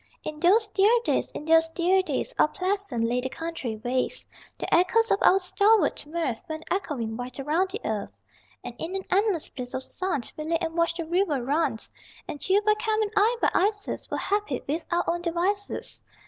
In those dear days, in those dear days, All pleasant lay the country ways; The echoes of our stalwart mirth Went echoing wide around the earth And in an endless bliss of sun We lay and watched the river run. And you by Cam and I by Isis Were happy with our own devices.